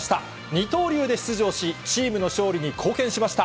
二刀流で出場し、チームの勝利に貢献しました。